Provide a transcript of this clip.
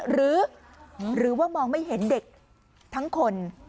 หรือว่ามองไม่เห็นเด็กทั้งคน